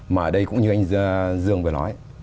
mà ở đây cũng như anh dương vừa nói